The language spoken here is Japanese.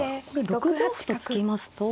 ６五歩と突きますと。